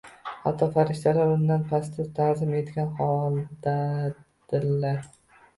Hatto farishtalar undan pastda, ta'zim etgan holdadirlar.